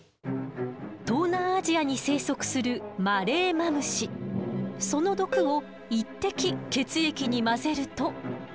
東南アジアに生息するその毒を１滴血液に混ぜると。